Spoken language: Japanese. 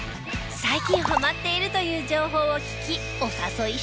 最近ハマっているという情報を聞きお誘いしました。